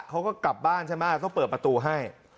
เขาก็กลับบ้านใช่ไหมต้องเปิดประตูให้